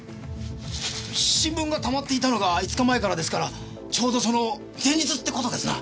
新聞がたまっていたのが５日前からですからちょうどその前日って事ですな。